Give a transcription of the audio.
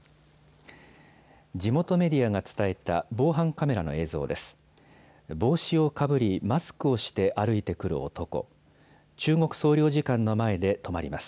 地元メディアが伝えた防犯カメラの映像です。